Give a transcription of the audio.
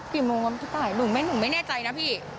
กี่โมงครับที่ต่ายหนูเนื่อยไม่แน่ใจนะพี่